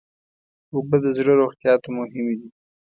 اوبه د زړه روغتیا ته مهمې دي.